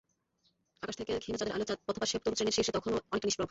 আকাশ থেকে ক্ষীণ চাঁদের আলো পথপাশে তরু শ্রেণির শীর্ষে তখনও অনেকটা নিষ্প্রভ।